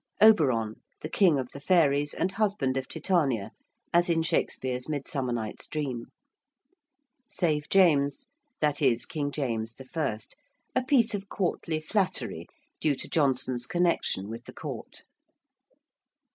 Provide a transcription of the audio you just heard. ~Oberon~: the king of the fairies and husband of Titania, as in Shakespeare's 'Midsummer Night's Dream.' ~save James~: that is, King James I.; a piece of courtly flattery due to Jonson's connection with the court.